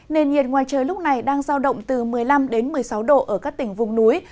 nền nhiệt ngoài trời lúc này đang giao động từ một mươi năm một mươi sáu độ ở các tỉnh vùng núi